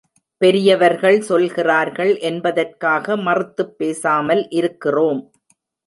பெரியவர்கள் சொல்கிறார்கள் என்பதற்காக மறுத்துப் பேசாமல் இருக்கிறோம்.